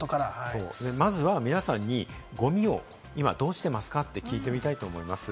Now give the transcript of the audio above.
まず、皆さんにゴミをどうしていますか？って聞いてみたいと思います。